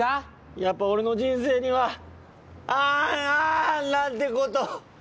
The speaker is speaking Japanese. やっぱ俺の人生には「あんあん」なんてこと。